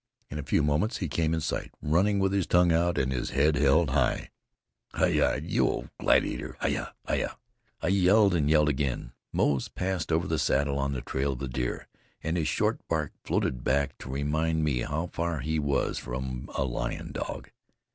In a few moments he came in sight, running with his tongue out and his head high. "Hyah, you old gladiator! hyah! hyah!" I yelled and yelled again. Moze passed over the saddle on the trail of the deer, and his short bark floated back to remind me how far he was from a lion dog.